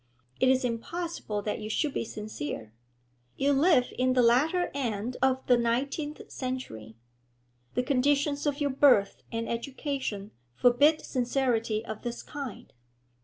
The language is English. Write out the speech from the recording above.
It is impossible that you should be sincere; you live in the latter end of the nineteenth century; the conditions of your birth and education forbid sincerity of this kind.'